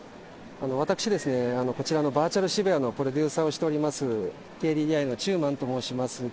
私、こちらのバーチャル渋谷のプロデューサーをしております、ＫＤＤＩの中馬と申します。